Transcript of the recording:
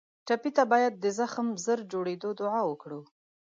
ټپي ته باید د زخم ژر جوړېدو دعا وکړو.